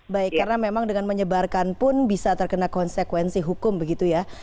baik karena memang dengan menyebarkan pun bisa terkena konsekuensi hukum begitu ya